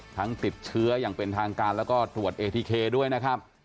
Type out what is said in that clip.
ติดเชื้ออย่างเป็นทางการแล้วก็ตรวจเอทีเคด้วยนะครับ